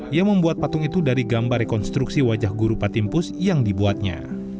ia membuat patung itu dari gambar rekonstruksi wajah guru patimpus yang dibuatnya